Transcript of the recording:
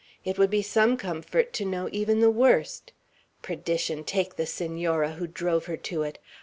"It would be some comfort to know even the worst. Perdition take the Senora, who drove her to it!